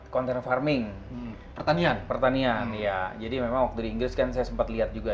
konten farming pertanian pertanian ya jadi memang waktu di inggris kan saya sempat lihat juga